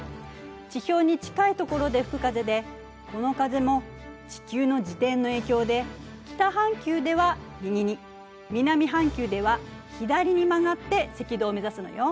地表に近いところで吹く風でこの風も地球の自転の影響で北半球では右に南半球では左に曲がって赤道を目指すのよ。